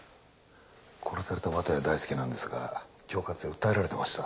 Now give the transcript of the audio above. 殺された綿谷大介なんですが恐喝で訴えられてました。